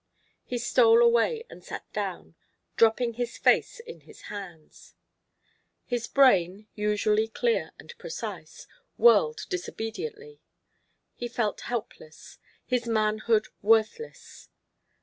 He stole away and sat down, dropping his face in his hands. His brain, usually clear and precise, whirled disobediently. He felt helpless, his manhood worthless.